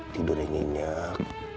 tidur yang nginyak